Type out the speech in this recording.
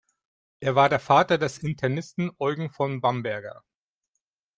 Er war der Vater des Internisten Eugen von Bamberger.